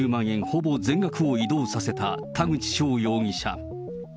ほぼ全額を移動させた田口翔容疑者。